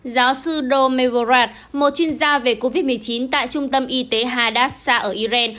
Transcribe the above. giáo sư romel morad một chuyên gia về covid một mươi chín tại trung tâm y tế hadassah ở iran